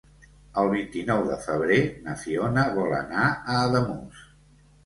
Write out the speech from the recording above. El vint-i-nou de febrer na Fiona vol anar a Ademús.